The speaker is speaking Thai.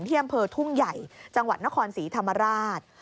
ที่อำเภอทุ่งใหญ่จังหวัดนครศรีธรรมราช